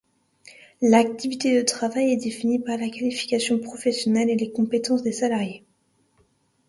L'activité de travail est défini par la qualification professionnelle et les compétences des salariés.